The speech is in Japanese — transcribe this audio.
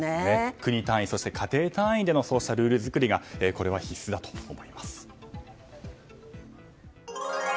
国単位、そして家庭単位でのそうしたルール作りが必須だと思います。